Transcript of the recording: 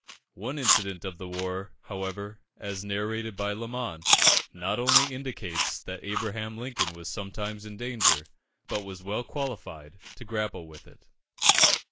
One incident of the war, however, as narrated by Lamon, not only indicates that Abraham Lincoln was sometimes in danger, but was well qualified to grapple with it.